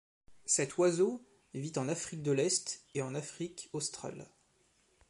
Cet oiseau vit en Afrique de l'Est et en Afrique australe.